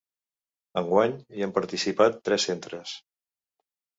Enguany hi han participat tres centres.